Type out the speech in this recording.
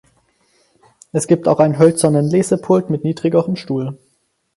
Es gibt auch einen hölzernen Lesepult mit niedrigem Stuhl.